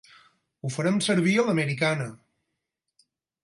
Ho farem servir a l'americana.